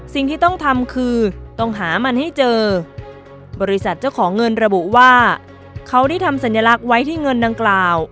สิ่งที่ต้องทำคือต้องหามันให้เจอบริษัทเจ้าของเงินระบุว่าเขาได้ทำสัญลักษณ์ไว้ที่เงินดังกล่าว